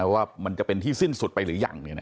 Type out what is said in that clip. ว่ามันจะเป็นที่สิ้นสุดไปหรือยัง